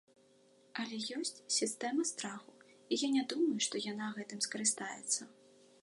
Але ёсць сістэма страху, і я не думаю, што яна гэтым скарыстаецца.